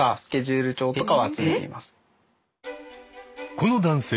この男性